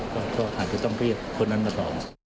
ก็อาจจะต้องเรียกคนนั้นมาต่อ